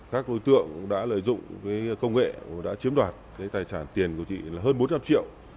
các đối tượng đã lợi dụng công nghệ đã chiếm đoạt tài sản tiền của chị là hơn bốn trăm linh triệu